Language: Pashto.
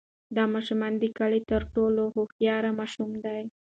دا ماشوم د کلي تر ټولو هوښیار ماشوم دی.